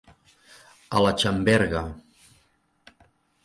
A la xamberga.